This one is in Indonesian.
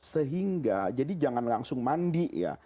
sehingga jadi jangan langsung mandi ya